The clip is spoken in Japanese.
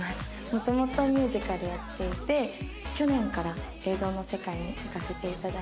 もともとミュージカルやっていて去年から映像の世界にいかせていただいて活動してます。